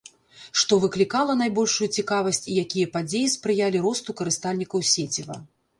Што выклікала найбольшую цікавасць і якія падзеі спрыялі росту карыстальнікаў сеціва.